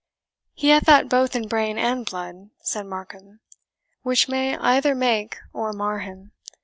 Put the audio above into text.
"He hath that both in brain and blood," said Markham, "which may either make or mar him.